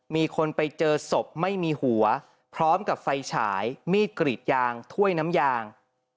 มีคนไปเจอศพไม่มีหัวพร้อมกับไฟฉายมีดกรีดยางถ้วยน้ำยาง